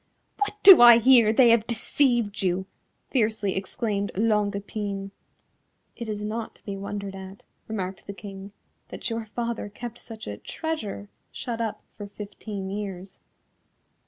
"What do I hear, they have deceived you," fiercely exclaimed Longue Epine. "It is not to be wondered at," remarked the King, "that your father kept such a treasure shut up for fifteen years."